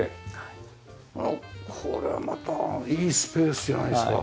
これはまたいいスペースじゃないですか。